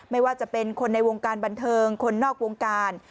ไม่ว่าจะเป็นคนในวงการบันเทิงคนนอกวงการ